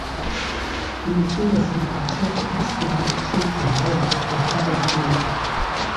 Lucy was an attempt at simulating the mind of a human baby.